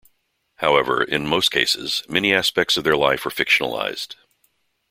However, in most cases, many aspects of their life are fictionalized.